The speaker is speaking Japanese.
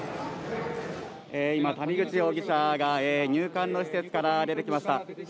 今、谷口容疑者が入管の施設から出てきました。